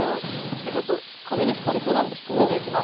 じゃちょっと風に吹かれそうなんで低めでいきます。